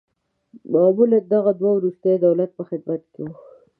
معمولاً دغه دوه وروستني د دولت په خدمت کې وه.